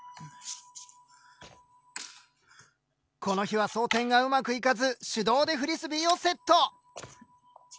この日は装填がうまくいかず手動でフリスビーをセット！